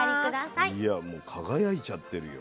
いやもう輝いちゃってるよ。